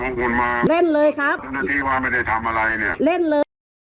เพราะคุณมาเล่นเลยครับไม่ได้ทำอะไรเนี้ยเล่นเลย